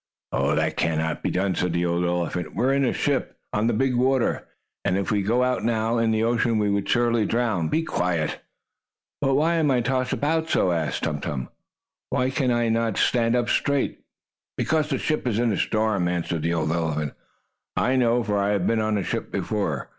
"That cannot be done," said the old elephant. "We are in a ship, on the big water, and if we got out now, in the ocean, we would surely drown. Be quiet!" "But why am I tossed about so?" asked Tum Tum. "Why can I not stand up straight?" "Because the ship is in a storm," answered the old elephant. "I know, for I have been on a ship before.